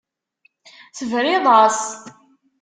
Tebriḍ-as.